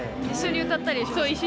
一緒に歌ったり。